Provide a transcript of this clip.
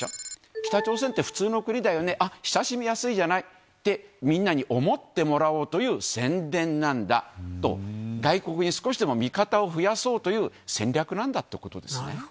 北朝鮮って、普通の国だよね、あっ、親しみやすいじゃないって、みんなに思ってもらおうという宣伝なんだと、外国に少しでも味方を増やそうという戦略なんだということですね。